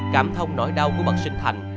cảm thông nỗi đau của bậc sinh thành